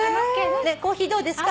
「コーヒーどうですか？」